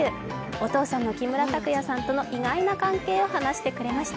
お父さんの木村拓哉さんとの意外な関係を話してくれました。